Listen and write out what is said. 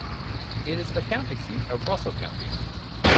It is the county seat of Russell County.